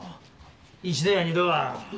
一度や二度は。